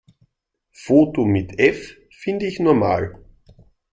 Foto mit F finde ich normal.